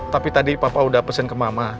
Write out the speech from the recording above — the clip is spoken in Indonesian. tapi tadi papa udah pesan ke mama